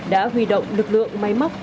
đã huy động lực lượng máy móc